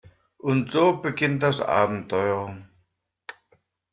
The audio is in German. Und so beginnt das Abenteuer.